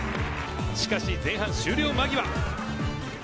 しかし前半終了間際。